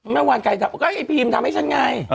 มะวานไก่ก็ให้พีมทำให้ฉันไง